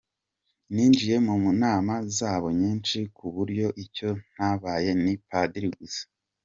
Ninjiye mu nama zabo nyinshi… ku buryo icyo ntabaye ni Padiri gusa.